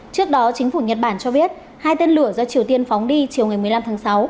trước đó chính phủ nhật bản cho biết hai tên lửa do triều tiên phóng đi chiều ngày một mươi năm tháng sáu